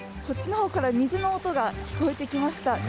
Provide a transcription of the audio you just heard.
こっちのほうから水の音が聞こえてきました。